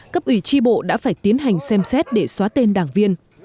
cấp ủy tri bộ đã phải tiến hành xem xét để xóa tên đảng viên